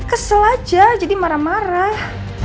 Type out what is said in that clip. kesel aja jadi marah marah